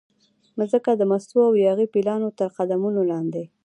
مځکه د مستو او یاغي پیلانو ترقدمونو لاندې